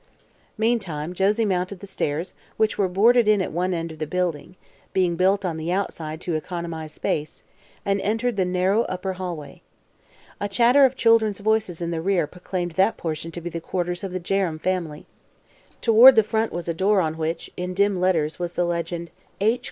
Meantime Josie mounted the stairs, which were boarded in at one end of the building, being built on the outside to economize space, and entered the narrow upper hallway. A chatter of children's voices in the rear proclaimed that portion to be the quarters of the Jerrems family. Toward the front was a door on which, in dim letters, was the legend: "H.